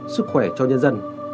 sức khỏe cho nhân dân